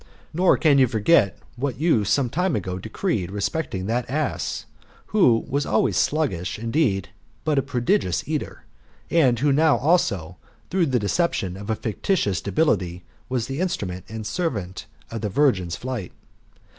Nor can you forget what you 104 I^B lUrrAMOEPH06I8» OK some time ago decreed respecting that ass, who was always sluggish, indeed, but a prodigious eater, and who now and through the deception of a fictitious debility, was the instrument and servant ot the virgin's flight.